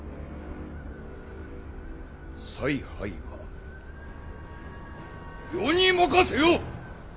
采配は余に任せよ！